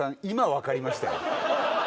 今分かりましたよ。